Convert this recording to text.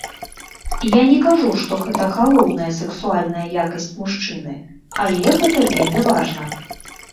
Я не кажу, што гэта галоўная сэксуальная якасць мужчыны, але гэта вельмі важна.